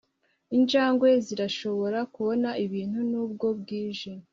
Injangwe zirashobora kubona ibintu nubwo bwije